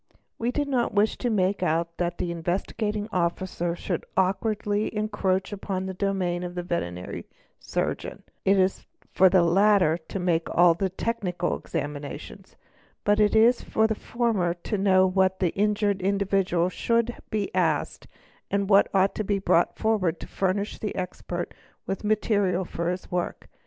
We do not wish to make out that an Investigating Officer _ should awkwardly encroach upon the domain of the veterinary surgeon ; it is for the latter to make all technical examinations, but it is for the former to know what the injured individual should be asked and what ought to be brought forward to furnish the expert with material for his work.